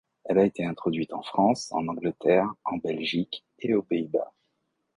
Elle a été introduite en France, en Angleterre, en Belgique et aux Pays-Bas.